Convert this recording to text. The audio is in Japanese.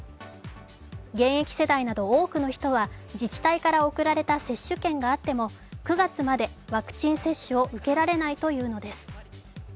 現役世代など多くの人は自治体から送られた接種券があっても９月までワクチン接種を受けられないというのです。